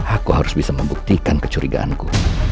aku harus bisa membuktikan kecurigaanku